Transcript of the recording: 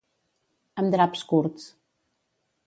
Amb draps curts.